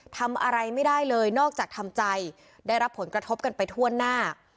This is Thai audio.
ทำอะไรไม่ได้เลยนอกจากทำใจได้รับผลกระทบกันไปทั่วหน้า